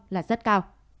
là rất cao